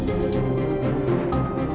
perkaya diri diunggah gaun kata